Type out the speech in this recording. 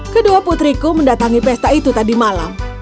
kedua putriku mendatangi pesta itu tadi malam